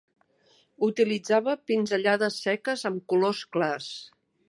Utilitzava pinzellades seques amb colors clars.